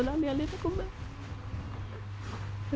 tidak ada alih alihnya bapak